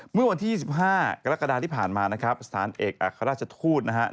เมื่อวันที่๒๕กรกฎาที่ผ่านมานะครับสถานเอกอัครราชทูตนะครับ